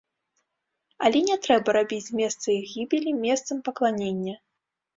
Але не трэба рабіць месца іх гібелі месцам пакланення.